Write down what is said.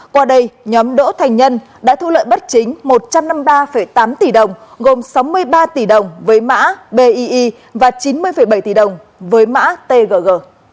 qua đây nhóm đỗ thành nhân đã thu lợi bất chính một trăm năm mươi ba tám tỷ đồng gồm sáu mươi ba tỷ đồng với mã bi và chín mươi bảy tỷ đồng với mã tg